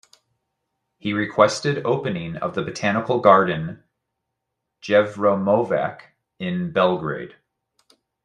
He requested opening of the Botanical garden "Jevremovac" in Belgrade.